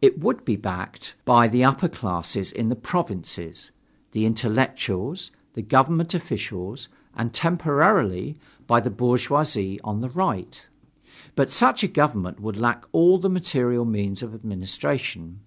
It would be backed by the upper classes in the provinces, the intellectuals, the government officials, and temporarily by the bourgeoisie on the Right. But such a government would lack all the material means of administration.